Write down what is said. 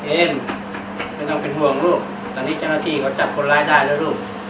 เองไม่ต้องเป็นห่วงลูกตอนนี้เจ้าหน้าที่เขาจับคนร้ายได้แล้วลูก